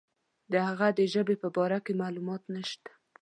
د هغه د ژبې په باره کې معلومات نشته.